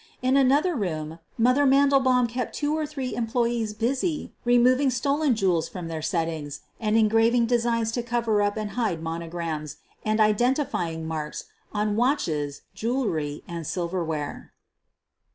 In another room, "Mother" Mandelbaum kept two or three employees busy removing stolen jewels from their settings and engraving designs to cover up and hide monograms and identification marks on watches, jewelry, and silverware.